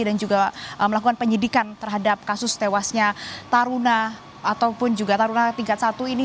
dan juga melakukan penyidikan terhadap kasus tewasnya taruna ataupun juga taruna tingkat satu ini yang tewas kemarin jumat pagi